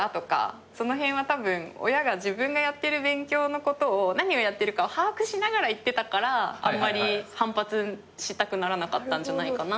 その辺はたぶん親が自分がやってる勉強のことを何をやってるか把握しながら言ってたからあんまり反発したくならなかったんじゃないかなって。